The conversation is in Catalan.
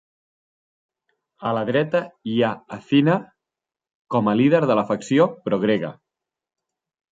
A la dreta hi ha Athena com a líder de la facció pro-grega.